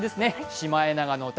「シマエナガの歌」